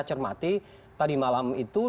cermati tadi malam itu